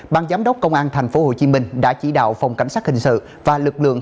ban giám đốc công an tp hcm đã chỉ đạo phòng cảnh sát hình sự và lực lượng